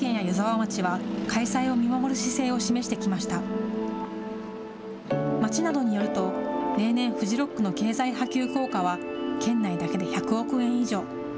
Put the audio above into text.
町などによると、例年、フジロックの経済波及効果は県内だけで１００億円以上。